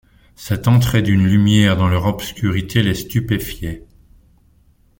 Cette entrée d’une lumière dans leur obscurité les stupéfiait.